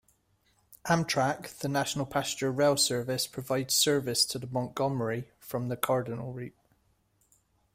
Amtrak, the national passenger rail service, provides service to Montgomery from the Cardinal route.